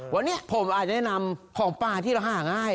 วันนี้ผมอาจจะได้นำของปลาที่เราหาง่าย